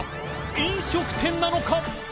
飲食店なのか？